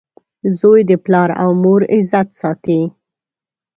• زوی د پلار او مور عزت ساتي.